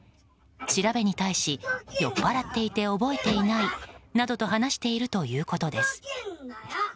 調べに対し、酔っ払っていた覚えていないなどと話しているということです。